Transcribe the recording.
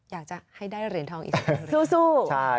อยากจะให้ได้เรียนทองอีกครั้งสู้สู้